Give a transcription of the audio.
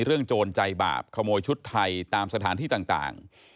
เรื่องโจรใจบาปขโมยชุดไทยตามสถานที่ต่างต่าง